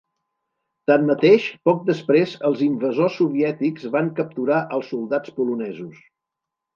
Tanmateix, poc després els invasors soviètics van capturar els soldats polonesos.